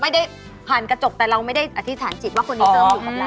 ไม่ได้ผ่านกระจกแต่เราไม่ได้อธิษฐานจิตว่าคนนี้เติมอยู่กับเรา